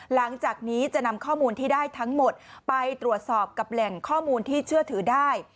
หลังจากนี้จะนำข้อมูลที่ได้ทั้งหมดไปตรวจสอบกับแหล่งข้อมูลที่เชื่อถือได้